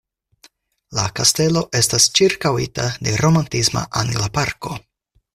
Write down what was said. La kastelo estas ĉirkaŭita de romantisma angla parko.